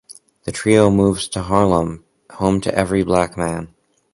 The trio moves to Harlem, "home to every black man".